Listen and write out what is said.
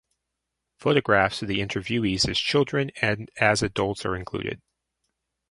Photographs of the interviewees as children and as adults are included.